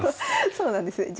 そうなんですね。